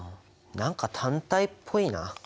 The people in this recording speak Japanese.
何か単体っぽいな。